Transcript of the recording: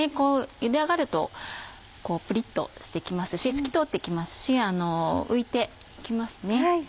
ゆで上がるとプリっとしてきますし透き通ってきますし浮いてきますね。